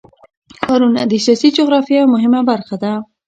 ښارونه د سیاسي جغرافیه یوه مهمه برخه ده.